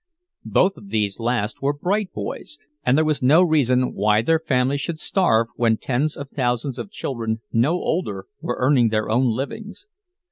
Both of these last were bright boys, and there was no reason why their family should starve when tens of thousands of children no older were earning their own livings.